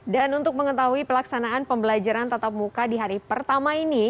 dan untuk mengetahui pelaksanaan pembelajaran tatap muka di hari pertama ini